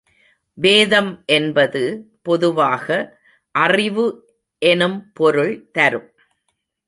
வேதம் என்பது பொதுவாக அறிவு எனும் பொருள் தரும்.